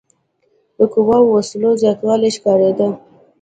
د قواوو او وسلو زیاتوالی ښکارېده.